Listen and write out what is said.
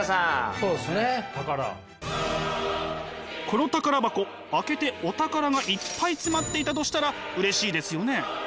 この宝箱開けてお宝がいっぱい詰まっていたとしたらうれしいですよね？